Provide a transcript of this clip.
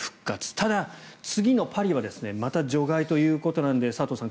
ただ、次のパリはまた除外ということなので佐藤さん